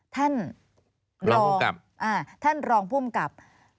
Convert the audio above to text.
ท่านลองพุ่มกลับ